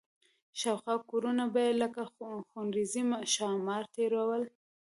شاوخوا کورونه به یې لکه خونړي ښامار تېرول.